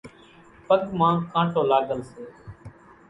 پڳ مان ڪانٽو لاڳل سي۔